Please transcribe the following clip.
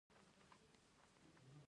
ذوحیاتین هم په اوبو او هم په وچه اوسیږي